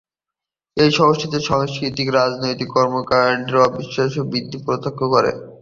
শহরটি সাংস্কৃতিক ও রাজনৈতিক কর্মকান্ডের অবিশ্বাস্য বৃদ্ধি প্রত্যক্ষ করে।